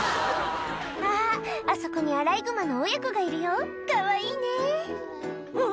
あっあそこにアライグマの親子がいるよかわいいねあっ